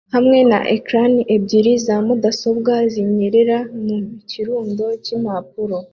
hamwe na ecran ebyiri za mudasobwa zinyerera mu kirundo cyimpapuro